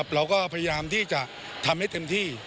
เราก็พยายามที่จะทำให้เต็มที่